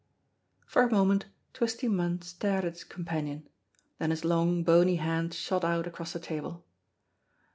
For a moment Twisty Munn stared at his companion, then his long, bony hand shot out across the table.